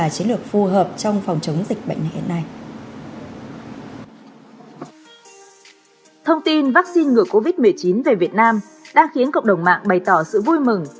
thông tin vaccine ngừa covid một mươi chín về việt nam đã khiến cộng đồng mạng bày tỏ sự vui mừng